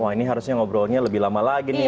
wah ini harusnya ngobrolnya lebih lama lagi nih